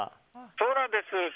そうなんです。